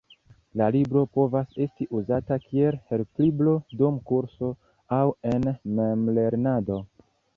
La libro povas esti uzata kiel helplibro dum kurso, aŭ en memlernado.